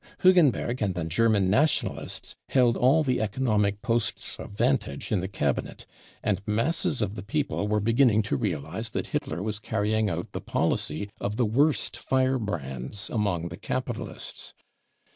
Hugen berg and the German Nationalists held all the economic posts of vantage in the Cabinet, and masses of th$ people were beginning to realise that Hitler was carrying out the policy of the worst firebrands among the capitalists